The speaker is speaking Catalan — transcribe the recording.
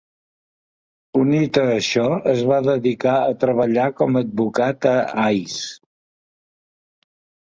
Unit a això es va dedicar a treballar com advocat a Ais.